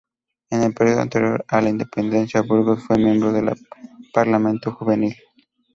En el período anterior a la independencia Burgos fue miembro de un parlamento juvenil.